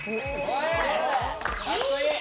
かっこいい！